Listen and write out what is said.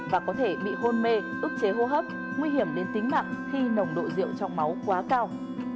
và có thể bị hôn mê ức chế hô hấp nguy hiểm đến tính nặng khi nồng độ rượu trong máu quá cao